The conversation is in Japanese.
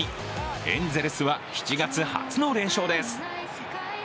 エンゼルスは７月初の連勝です。